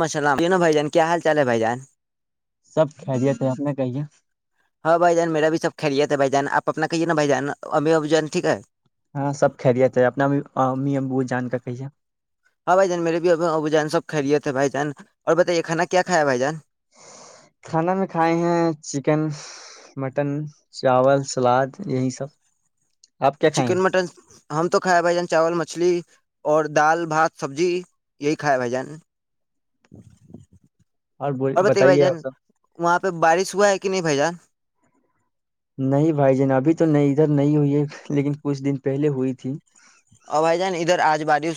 مسلام نو بھ جان کیا حال چال ہے بھائی جان سب خہرییے تھے آپ نے کہیے خریےتے بھائی جان آپ اپنا کہیے نا بھائی جان ام اب جان ٹھیک ہے ہاں سب خہرییاتے اپنا بھی م ابو جان کا کہی ہے ہاں بھائی جان میرے بھی اب جان سب کہ لیے تھے بھائی جان اور بتائیے کھانا کیا کایا بھائی جان کھانا میں کھائے ہیں چکن مٹن چاول سلاد یہی سب آپ کیا کھائیں چکن مٹن ہم تو کھیا بھائی جان چاول مچھلی اور دال بھات سبزی یہی کھایا بھائی جان بول- اور بتائیے بھائی جان آپ سب وہاں پہ بارش ہوا ہے کہ نہیں بھائی جان نہیں بھائی جان ابھی تو نہیں ادھر نہیں ہوئی ہے لیکن کچھ دن پہلے ہوئی تھی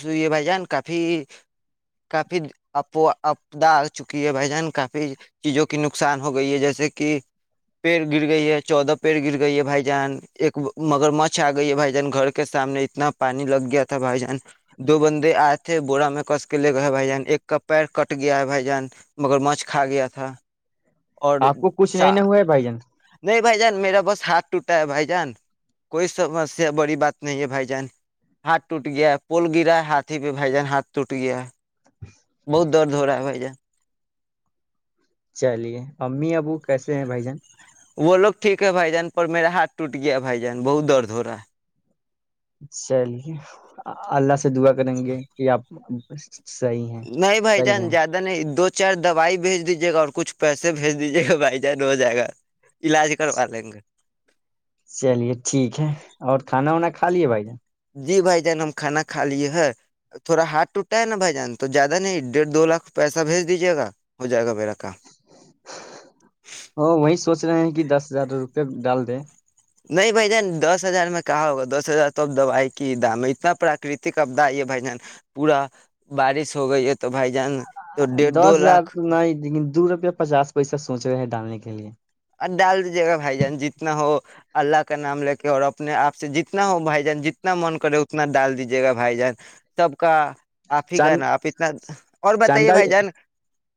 ئی بھائی جان کافی کافی آدا آ چکی ہے بھائی جان کافی چیزوں کی نقصان ہو گئی ہے جیسے کہ پیڑ گر گئی ہے چودہ پیڑ گر گئی ہے بھائی جان ایک مگر مچھ آ گئی ہے بھائی جان گھر کے سامنے اتنا پانی لگیات تھا بھائی جان دو بندے آئے تھے بورا میں کس کے لے گئے بھائی جان ایک کا پیر کٹ گیا ہے بھائی جان مگر مچ کھا گیا تھا اور آپ کو کچھ نہیں سا... ن ہوا ہے بھائی جان نہیں بھائی جان میرا بس ہاتھ ٹوٹا ہے بھائی جان کوئی سمسیا بڑی بات نہیں ہے بھائی جان ہات ٹوٹ گیا پول گرا ہاتھی پہ بھجان ہاتھ ٹٹ گیا بہت درد ہو رہا ہے بھائی جان چلیے امی ابو کیسے ہیں بھائی جان وہ لوگ ٹھیک ہے بھائی جان پر میرا ہاتھ ٹوٹ گیا بھائی جان بہت درد ہو رہا ہے چلیے اللہ سے دعا کریں گے کہ آپ [inaudible] ہیں نہیں بھائی صحیح جان رہ زیادہ نہیں دو کچ چار دوائی بھیج دیجے گا اور کچھ پیسے بھیج دیجیے گا بھائی جان ہو جائے گا علاج کروا لیں گے چلیے ٹھیک ہے اور کھانا وانا کھا لیے بھائی جان جی بھائی جان ہم کھانا کھا لیے ہے تھوڑا ہاتھ ٹوٹا ہے نا بھائی جان تو زیادہ نہیں ڈیڑھ دو لاکھ پیسہ بھیج دیجیے گا ہو جائے گا میرا کام وہی سوچ رہے ہیں کہ دس ہزار روپئے ڈال [inaudible] نہیں بھ جان دس ہزار میں کہاں ہوگا دس ہزار تو اب دوائی کی دام ہے اتنا پراکرتک آبدا ہے بھ جان پورا بارش ہو گئی ہے تو بھائی جان تو ڈیڑھ دس دو ہزار لاکھ تو نہیں لیکن دور پچاس پیسہ سوچ رہے ہیں ڈالنے کے لیے ڈال دیجیے گا بھائی جان جتنا ہو اللہ کا نام لے کے اور اپنے آپ سے جتنا ہو بھائی جتنا من کرے اتنا ڈال دیجیے گا بھائی جان سب کا آپ ہی چاند کہناا آپ اتنا اور بتائیے چاندہ بھائی جان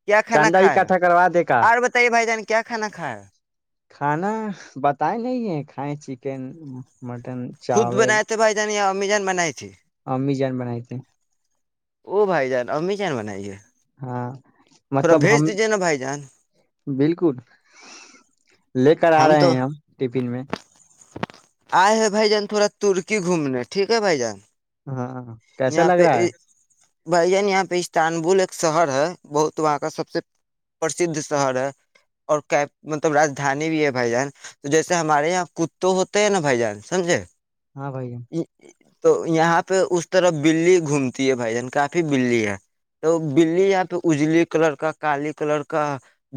کیا کھانا چاندہ کھا ہے اکٹھا کروا دے کا اور بتائیے بھائی جان کیا کھانا کھا ہے کھانا بتائے نہیں ہے کھائیں چکن مٹن خود چاول بنایا تھے بھائی جان یہ امی جان بنائے تھی [inaudible] او بھائی جان امی کیان بنائیے ہاں تھوڑا مطلب ہم بھیج دیجیے نا بھائی جان بالکل لے کر آ رہے ہیں ہم ٹفن میں آئے ہے بھائی جان تھوڑا ترکی گھومنے ٹھیک ہے بھائی جان ہاں کیسا یہاں لگ پہ رہا ہے بھائی جان یہاں پہ استنبول ایک شہر ہے بہت وہاں کا سب سے پرسدھ شہر ہے اور مطلب رجدھانی بھی ہے بھائی جان تو جیسے ہمارے یہاں کت ہوتے ہے نا بھائی جان سمجھے ہاں بائی تو یہاں پہ اس طرف بلی گھومتی ہے بھائی جان کافی بلیی ہے تو بلی یہاں پہ اجلی کلر کا کالی کلر کا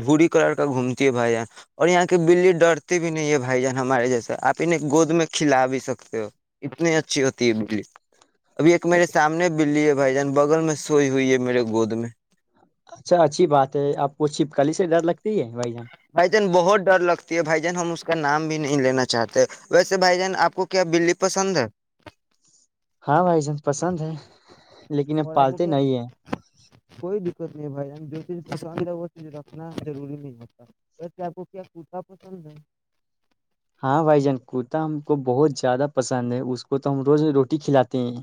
بھووری کلر کا گھومتی ہے بھائی جان اور یہاں کی بلی ڈرتی بھی نہیں ہے بھائی جان ہمارے جیسے آپ گود میں کلا بھیی سکتے ہیں تو اتنی اچھی ہوتی ہے بجلی ابھی ایک میرے سامنے بلی اب بھائی جان بغل میں سوئی ہوئی ہے میرے گود میں اچھا اچھی بات ہے آپ کو چھپکلی سے ڈر لگتی ہے بھائی جان بھائی جان بہت ڈر لگتی ہے بھائی جان ہم اس کا نام بھی نہیں لینا چاہتے ویسے بھائی جان آپ کو کیا بلی پسند ہے ہاں بھائی جان پسند ہے لیکن ا اور آپ کو پالتے کیا نہیں ہیں کوئی بھائی جو چیز پسند ہے وہ چیز رکھنا روری نہیں ہوتا وس آپ کو کیا کوتا پسند ہے ہاں بھائی جان کوتا ہم کو بہت زیادہ پسند ہے اس کو تو ہم روز روٹی کھلاتے ہیں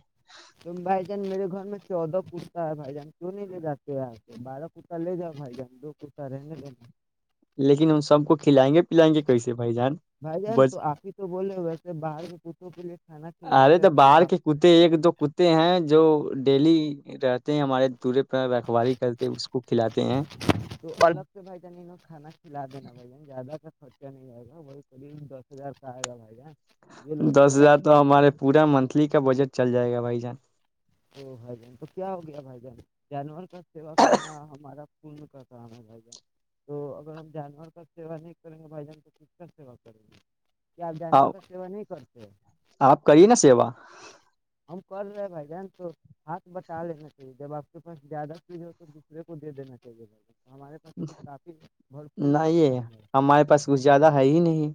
تو بھائی جان میرے گھر میں چودہ کتا ہے بھائی جان کیوں نہیں لے جاتے آ کے بارہ کرتا لے جاؤ بھائی جان دو کرتا رہنے لا لیکن ان سب کو کھلائیں گے پلائیں گے کیسے بھائی جان بھائی جان بس تو آپ ہی تو بولے ویسے باہر میں کتوں کے لیے کھانا ارے کھلاتے ہیں تو وہ باہر کے کتے ایک دو کتے ہیں جو ڈیلی رہتے ہیں ہمارے دورے پر رکھواری کرتے اس کو کھلاتے ہیں تو الگ تو بھائی جانوں کھانا کھلا دینا بھ جان زیادہ خرچہ نہیں آئےا ب قریب دس ہزار کا آئےا بھائی ج دس ہزار تو ہمارے پورا منتھلی کا بجٹ چل جائے گا وائی جان او بھائی جان تو کیا ہو گیا بھائی جان جانور کا سیوا کرنا ہمارا ک کا کام ہے بھائی جان تو اگر ہم جانور کا سیوا نہیں کریں گے بھائی جان تو کس کا سیوا کریں گے کہ آپ جانور کا سیوا نہیں کرتے آپ کریے نا سیوا ہم کر رہے بھائی ج تو ہاتھ بٹا لینا چاہیے جب آپ کے پاس زیادہ فیز ہو تو دوسرے کو دے دینا چاہیےہ نہیں ماترا یہ میں ہے ہمارے پاس کچھ زیادہ ہے ہی نہیں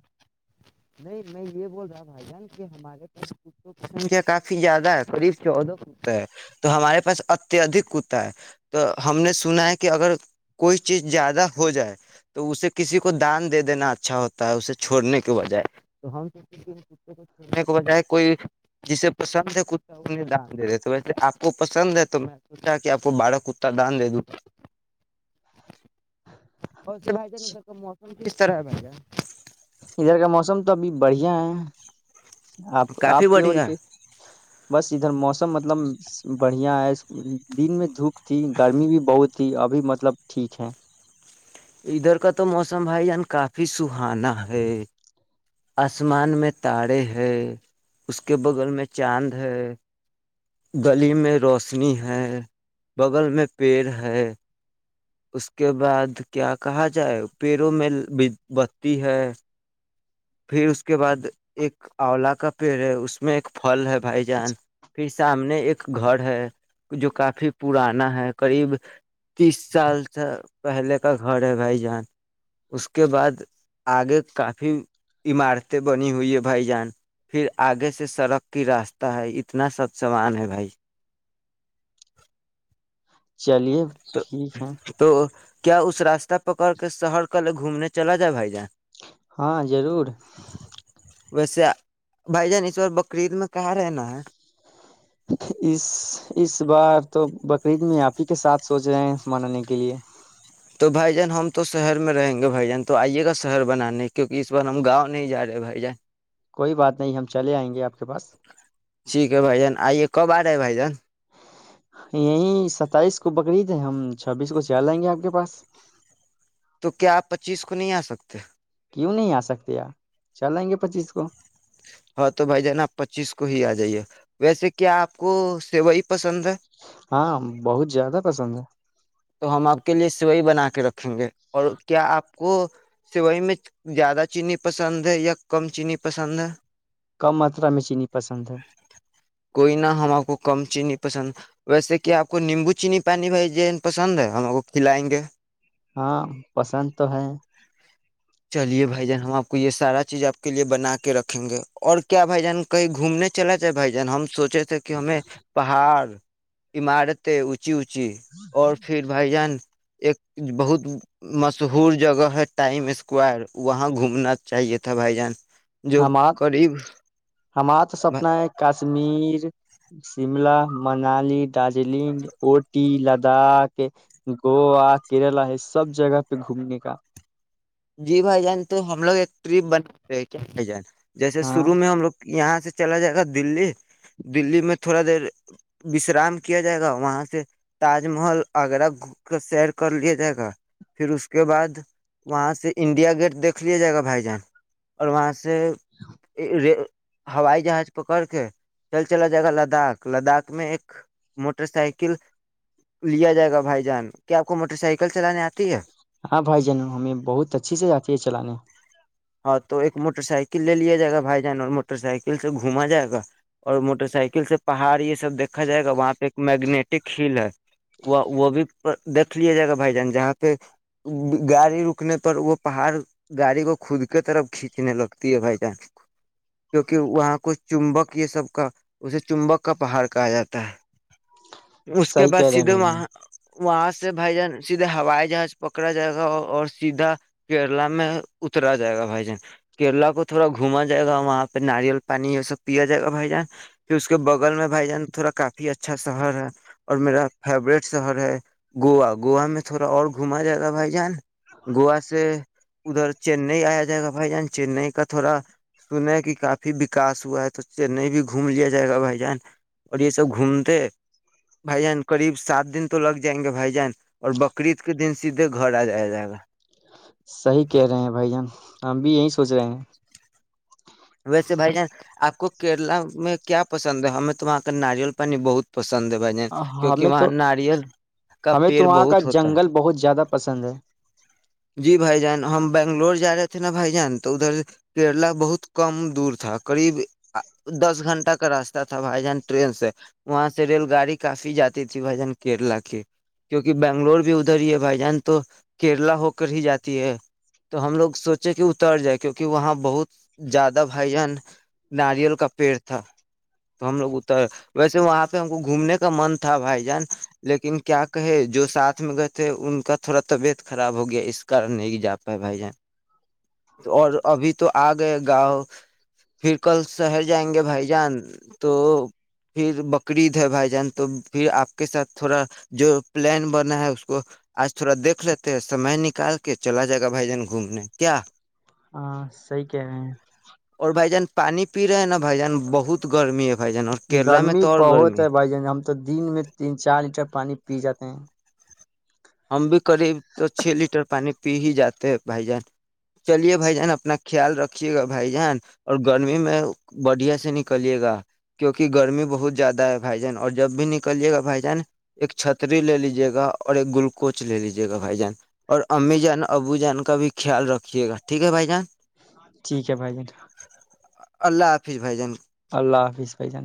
نہیں میں یہ بول رہا بھائی جان کہ ہمارے پاس کتوں کی سنکھیا کافی زیادہ ہے قریب چودہ کتا ہے تو ہمارے پاس اتیہدک کتا ہے تو ہم نے سنا ہے کہ اگر کوئی چیز زیادہ ہو جائے تو اسے کسی کو دان دے دینا اچھا ہوتا ہے اسے چھوڑنے بجائے تو ہم سوچ ک کو چھوڑنے کے بجائے کوئی جسے پسند ہے کتا انہیں دان دے دیے تو ویسے آپ کو پسند ہے تو میں سوچا کہ آپ کو بارہ کتا دان دے دوں ہو س بیتے ن س کا م کس طرح ہے بھا ادھر کا موسم تو ابھی بڑھیا ہے آپ آپ کافی کو اور بڑھیا کیا بس ادھر موسم مطلب بڑھیا ہے دن میں دھوپ تھی گرمی بھی بہت تھی ابھی مطلب ٹھیک ہے ادھر کا تو موسم بھائی جان کافی سہانا ہے آسمان میں تارے ہے اس کے بغل میں چاند ہے گلی میں روشنی ہے بغل میں پیڑ ہے اس کے بعد کیا کہا جائے پیروں میں بتی ہے پھر اس کے بعد ایک آولا کا پیڑ ہے اس میں ایک پھل ہے بھائی جان پھر سامنے ایک گھر ہے جو کافی پرانا ہے قریب تیس سال سے پہلے کا گھر ہے بھائی جان اس کے بعد آگے کافی عمارتیں بنی ہوئی ہیں بھائی جان پھر آگے سے سڑک کی راستہ ہے اتنا سب سامان ہے بھائی چلیے تو ٹھیک ہے تو کیا اس راستہ پکڑ کے شہر کل گھومنے چلا جائے بھائی جان ہاں ضرور ویسے بھائی جان ایشور بقرید میں کہاں رہنا ہے اس اس بار تو بقرعید میں آپ ہی کے ساتھ سوچ رہے ہیں منے کے لیے تو بھائی جان ہم تو شہر میں رہیں گے بھائی جان تو آئیے گا شہر بنانے کیونکہ اس بار ہم گاؤں نہیں جا رہے بھائی جان کوئی بات نہیں ہم چلے آئیں گے آپ کے پاس ٹھیک ہے بھائی جان آئیے کب آ بھائی جان یہی ستائیس کو بقرریید ہے ہم چھبیس کو چیا لیں گے آپ کے پاس تو کیا آپ پچیس کو نہیں آ سکتے کیوں نہیں آ سکتے پ چل آائیں گے پچیس کو ہاں تو بھائی جان آپ پچیس کو ہی آ جائیے ویسے کیا آپ کو سیوئی پسند ہے ہاں بہت زیادہ پسند ہے تو ہم آپ کے لیے سیوئئی بنا کے رکھیں گے اور کیا آپ کو سیوئی میں زیادہ چینی پسند ہے یا کم چینی پسند ہے کم ماترا میں چینی پسند ہے کوئی نہ ہم آپ کو کم چینی پسند ویسے کہ آپ کو نیمبو چینی پانی بھائی ج پسند ہے ہم کو کھلائیں گے ہاں پسند تو ہے چلیے بھائی جان ہم آپ یہ سارا چیز آپ کے لیے بنا کے رکھیں گے اور کیا بھائی جان کہیں گھومنے چلا جائے بھائی جان ہم سوچ چ تھے کہ ہمیں پہاڑ عمارتچ اچی اچی اور پھر بھائی جان ایک بہت مشہور جگہ ہے ٹائم اسکوائر وہاں گھومنا چاہیے تھا بھائی جان جو ہمار قریب ہمارا تو سپنا ہے کشمیر شملہ منالی دارجلنگ اٹی لداخ گووا کیرلا یہ سب جگہ پہ گھومنے کا جی بھائی جان تو ہم لوگ ایک ٹرپ بنے کیا بھائی جان جیسے ہاں شروع میں ہم لوگ یہاں سے چلا جائے گا دللی دللی میں تھوڑا دیر وشرام کیا جائے گا وہاں سے تاج محل آگرہ گ کر سیر کر لیا جائے گا پھر اس کے بعد وہاں سے انڈیا گیٹ دیکھ لیا جائے گا بھائی جان اور وہاں سے ر ہوائی جہاز پکڑ کے چل چلا جائے گا لداخ لداخ میں ایک موٹر سائیکل لیا جائے گا بھائی جان کیا آپ کو موٹر سائیکل چلانے آتی ہے ہاں بھائی جن ہمیں بہت اچھی سے جاتی ہے چلانے ہاں تو ایک موٹر سائیکل لے لیا جائے گا بھائی جان اور موٹر سائیکل سے گھوما جائے گا اور موٹر سائیکل سے پہاڑی سب دیکا جائے گ وہاں پہ میگنیٹک ہیل ہے وہ وہ بھی دیکھ لیا جائے گا بھائی جان جہاں پہ گاڑی رکنے پر وہ پہاڑ گاڑی کو خود کی طرف کھینچنے لگتی ہے بھائی جان کیونکہ وہاں کو چمبک یہ سب کا اسے چمبک کا پہاڑ کہا جاتا ہے اس کے صحیح بعد کہہ رہے ہیں سیدھے بھائی جان وہاں وہاں سے بھائی جان سیدھے ہوائی جہاز پکڑا جائے گا اور سیدھا کیرلا میں اترا جائے گا بھائی جان کیرلا کو تھوڑا گھوما جائے گا وہاں پہ ناریل پانی یہ سب پیا جائے گا بھائی جان پھر اس کے بغل میں بھائی جان تھوڑا کافی اچھا شہر ہے اور میرا فیوریٹ شہر ہے گوا گوا میں تھوڑا اور گھوما جائے گا بھائی جان گوا سے ادھر چنئی آیا جائے گا بھائی جان چنئی کا تھوڑا سنا ہے کہ کافی وکاس ہوا ہے تو چنئی بھی گھوم لیا جائے گا بھائی جان اور یہ سب گھومتے بھائی جان قریب سات دن تو لگ جائیں گے بھائی جان اور بقرریید کے دن سیدھے گھر آ جایا جائے گا صحیح کہہ رہے ہیں بھائی جان ہم بھی یہی سوچ رہے ہیں ویسے بھائی جان آپ کو کیرلا میں کیا پسند ہے ہمیں تو وہاں کا ناریل پانی بہت پسند ہے بھائی جان کیونکہ ہمیں وہاں تو ناریل کا ہمیں تو پیڑ وہاں کا بہت ہوتا جنگل بہت زیادہ پسند ہے جی بھائی جان ہم بنگلور جا رہے تھے نا بھائی جان تو ادھر کیرلا بہت کم دور تھا قریب دس گھنٹہ کا راستہ تھا بھائی جان ٹرین سے وہاں سے ریل گاڑی کافی جاتی تھی بھائی جان کیرلا کی کیونکہ بنگلور بھی ادھر ہی ہے بھائی جان تو کیرلا ہو ہی جاتی ہے تو ہم لوگ سوچے کہ اتر جائے کیوںکہ وہاں بہت زیادہ بھائی جان ناریل کا پیڑ تھا تو ہم لوگ اتر ویسے وہاں پہ ہم کو گھومنے کا من تھا بھائی جان لیکن کیا کہے جو ساتھ میں گئے تھے ان کا تھوڑا طبیعت خراب ہو گیا نہیں جا پائے بھائی جان اور ابھی تو آ گئے گاؤں پھر کل شہر جائیں گے بھائی جان تو پھر بکرید ہے بھائی جان تو پھر آپ کے ساتھ تھوڑا جو پلان بنا ہے اس کو آج تھوڑا دیکھ لیتے ہیں سمے نک نکال کے چلا جائے گا بھائی جان گھومنے کیا ہاں سی کہ رہے ہیں اور بھائی جان پانی پی رہے ہے نا بھائی جان بہت گرمی ہے بھائی جان اور کیرلا میں گرمی تو اور بہت گرمی ہے بھائی جان ہم تو دن میں تین چار لیٹر پانی پی جاتے ہیں ہم بھی قریب تو چھ لیٹر پانی پی ہی جاتے ہیں بھائی جان چلیے بھائی جان اپنا خیال رکھیے گا بھائی جان اور گرمی میں بڑھیا سے نکلیے گا کیونکہ گرمی بہت زیادہ ہے بھائی جان اور جب بھی نکلیے گا بھائی جان ایک چھتری لے لیجیے گا اور ایک گلک کوچ لے لیجیے گا بھائی جان اور امی جان ابو جان کا بھی خیال رکھیے گا ٹھیک ہے بھائی جان ٹھیک ہے بھائی اللہ حافظ بھائی جان اللہ حافظ بھائی جان